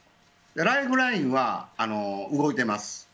ライフラインは動いています。